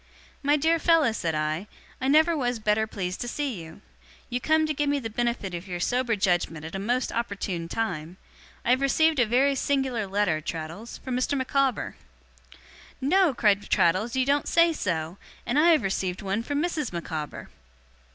'My dear fellow,' said I, 'I never was better pleased to see you. You come to give me the benefit of your sober judgement at a most opportune time. I have received a very singular letter, Traddles, from Mr. Micawber.' 'No?' cried Traddles. 'You don't say so? And I have received one from Mrs. Micawber!